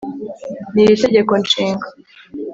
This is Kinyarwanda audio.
n iri Tegeko Nshinga